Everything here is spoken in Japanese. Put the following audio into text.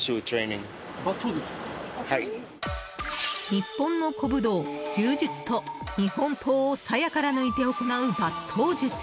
日本の古武道、柔術と日本刀をさやから抜いて行う抜刀術。